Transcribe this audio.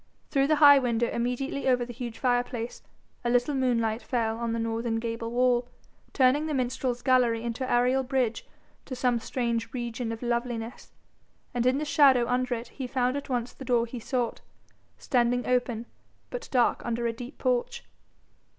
Through the high window immediately over the huge fireplace, a little moonlight fell on the northern gable wall, turning the minstrels' gallery into an aerial bridge to some strange region of loveliness, and in the shadow under it he found at once the door he sought, standing open but dark under a deep porch.